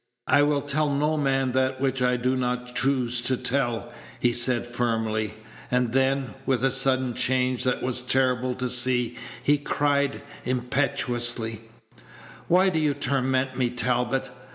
"I will tell no man that which I do not choose to tell," he said, firmly; and then, with a sudden change that was terrible to see, he cried impetuously, "Why do you torment me, Talbot?